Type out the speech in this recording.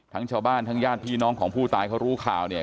ทั้งชาวบ้านทั้งญาติพี่น้องของผู้ตายเขารู้ข่าวเนี่ย